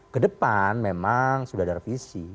kedepan memang sudah ada revisi